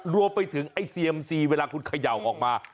รวมไปถึงไอ้เซียมซีเวลาคุณเขย่าออกมา